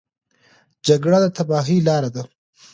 جګړه د تباهۍ لاره ده.